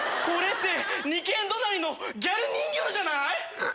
これって２軒隣のギャル人魚のじゃない？